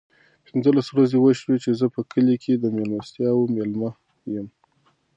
پینځلس ورځې وشوې چې زه په کلي کې د مېلمستیاوو مېلمه یم.